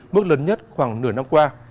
mức lớn nhất khoảng nửa năm qua